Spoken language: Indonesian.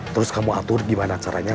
terus kamu atur gimana caranya